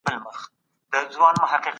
سم نیت درد نه جوړوي.